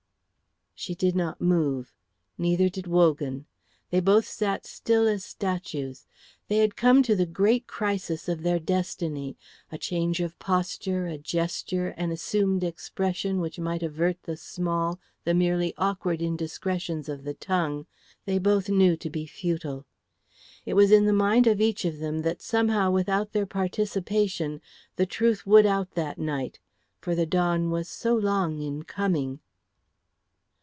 She did not move, neither did Wogan. They both sat still as statues. They had come to the great crisis of their destiny. A change of posture, a gesture, an assumed expression which might avert the small, the merely awkward indiscretions of the tongue, they both knew to be futile. It was in the mind of each of them that somehow without their participation the truth would out that night; for the dawn was so long in coming.